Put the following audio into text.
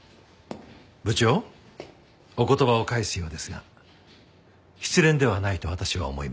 部長お言葉を返すようですが失恋ではないと私は思います。